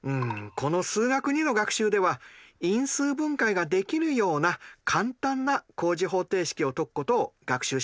この「数学Ⅱ」の学習では因数分解ができるような簡単な高次方程式を解くことを学習します。